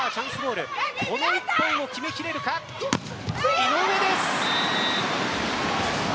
井上です。